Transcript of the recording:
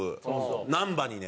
難波にね。